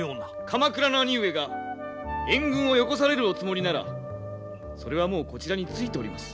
鎌倉の兄上が援軍をよこされるおつもりならそれはもうこちらに着いております。